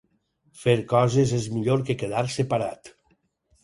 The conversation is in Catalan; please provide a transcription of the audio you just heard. Fer coses és millor que quedar-se parat.